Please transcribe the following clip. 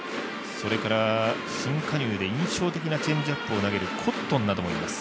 それから新加入で印象的なチェンジアップを投げるコットンなどもいます。